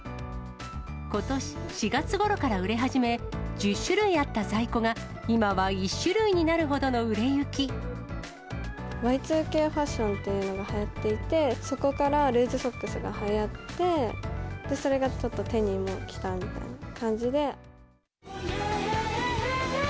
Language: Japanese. ことし４月ごろから売れ始め、１０種類あった在庫が、Ｙ２Ｋファッションというのがはやっていて、そこからルーズソックスがはやって、それがちょっと手にも来たみたいな感じで。